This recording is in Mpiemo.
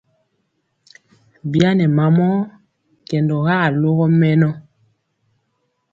Bi a nɛ mamɔ kɛndɔga alogɔ mɛnɔ.